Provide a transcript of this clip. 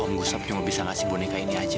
om gustaf cuma bisa kasih boneka ini aja